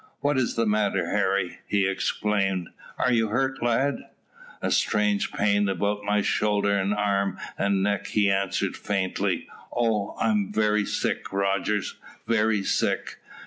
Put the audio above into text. "What is the matter, Harry?" he exclaimed. "Are you hurt, lad?" "A strange pain about my shoulder and arm and neck," he answered faintly. "Oh, I am very sick, Rogers, very sick."